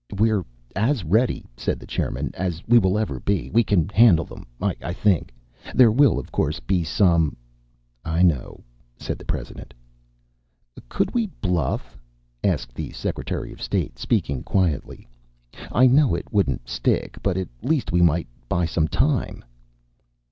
"We're as ready," said the chairman, "as we will ever be. We can handle them I think. There will, of course, be some " "I know," said the President. "Could we bluff?" asked the secretary of state, speaking quietly. "I know it wouldn't stick, but at least we might buy some time."